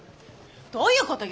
どういうことよ？